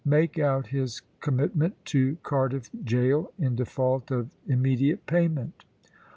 Make out his commitment to Cardiff Gaol, in default of immediate payment."